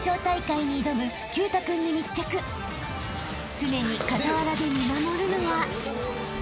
［常に傍らで見守るのは］